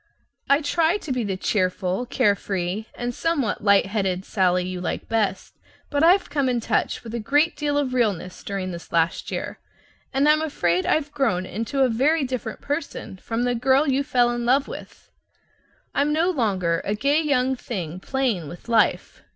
I try to be the cheerful, carefree (and somewhat light headed) Sallie you like best; but I've come in touch with a great deal of REALNESS during this last year, and I'm afraid I've grown into a very different person from the girl you fell in love with. I'm no longer a gay young thing playing with life.